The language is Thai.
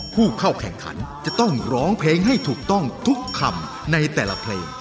ผู้เข้าแข่งขันจะต้องร้องเพลงให้ถูกต้องทุกคำในแต่ละเพลง